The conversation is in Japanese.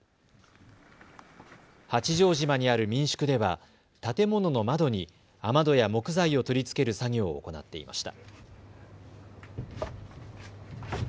八丈島にある民宿では建物の窓に雨戸や木材を取り付ける作業を行っていました。